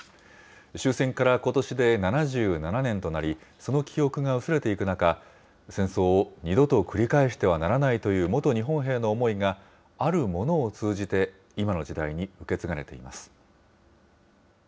終戦からことしで７７年となり、その記憶が薄れていく中、戦争を二度と繰り返してはならないという元日本兵の思いが、あるものを通じて、今の時代に受け継がれています。